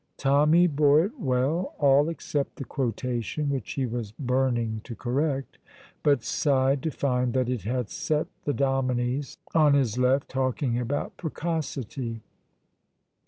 Tommy bore it well, all except the quotation, which he was burning to correct, but sighed to find that it had set the dominies on his left talking about precocity.